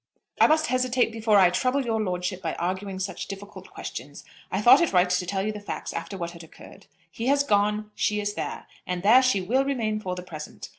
"I must hesitate before I trouble your lordship by arguing such difficult questions. I thought it right to tell you the facts after what had occurred. He has gone, she is there, and there she will remain for the present.